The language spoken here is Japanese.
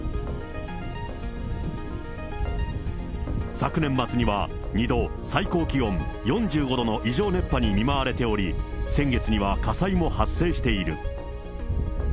昨年末には２度最高気温４５度の異常熱波に見舞われており、先月には火災も発生している。